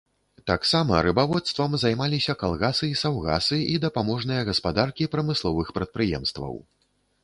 Таксама рыбаводствам займаліся калгасы і саўгасы і дапаможныя гаспадаркі прамысловых прадпрыемстваў.